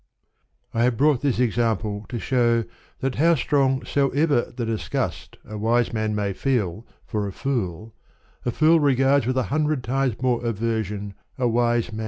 I have brought this example to show that, how strong soever the disgust a wise man may feel for a fool, a fool regards with a hundred times more aver sion a wise man.